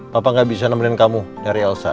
papa gak bisa nemenin kamu dari elsa